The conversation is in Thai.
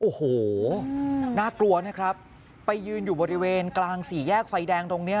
โอ้โหน่ากลัวนะครับไปยืนอยู่บริเวณกลางสี่แยกไฟแดงตรงเนี้ย